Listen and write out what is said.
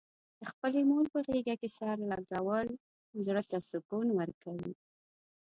د خپلې مور په غېږه کې سر لږول، زړه ته سکون ورکوي.